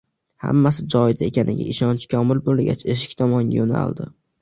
Hammasi joyida ekaniga ishonchi komil boʻlgach, eshik tomonga yoʻnaldi